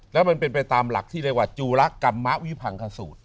แล้วมันเป็นไปตามหลักที่เรียกว่าจูระกรรมมะวิพังคสูตร